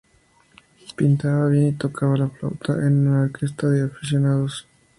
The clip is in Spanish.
Pintaba bien y tocaba la flauta en una orquesta de aficionados.